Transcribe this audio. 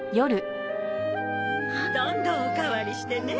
どんどんお代わりしてね。